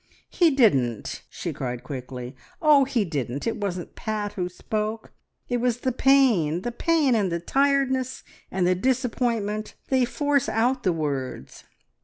"He didn't!" she cried quickly. "Oh, he didn't. It wasn't Pat who spoke it was the pain, the pain, and the tiredness and the disappointment. They force out the words.